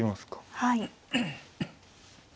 はい。